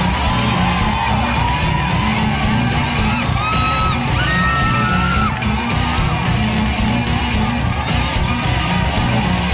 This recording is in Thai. สุดท้ายสุดท้าย